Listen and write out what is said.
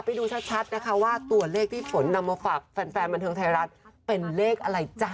ไปดูชัดนะคะว่าตัวเลขที่ฝนนำมาฝากแฟนบันเทิงไทยรัฐเป็นเลขอะไรจ๊ะ